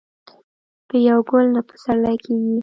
په یو ګل نه پسرلی کېږي